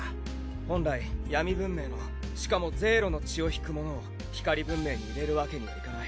本来闇文明のしかもゼーロの血をひく者を光文明に入れるわけにはいかない。